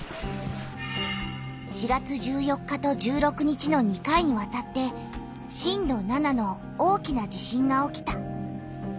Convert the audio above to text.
４月１４日と１６日の２回にわたって震度７の大きな地震が起きた。